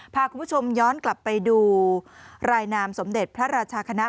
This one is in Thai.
พาคุณผู้ชมย้อนกลับไปดูรายนามสมเด็จพระราชาคณะ